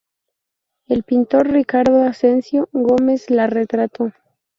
El pintor Ricardo Asensio Gómez la retrató.